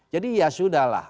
jadi ya sudah lah